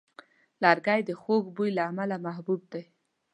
لرګی د خوږ بوی له امله محبوب دی.